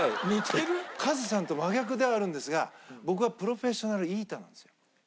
カズさんと真逆ではあるんですが僕はプロフェッショナルイーター？